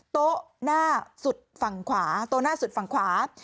โต๊ะหน้าสุดฝั่งขวาโต๊ะหน้าสุดฝั่งขวา